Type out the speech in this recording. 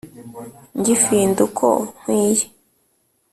ngifinda uko nkwiye